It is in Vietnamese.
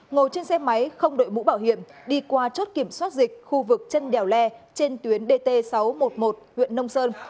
ngồi trên xe máy không đội mũ bảo hiểm đi qua chốt kiểm soát dịch khu vực chân đèo le trên tuyến dt sáu trăm một mươi một huyện nông sơn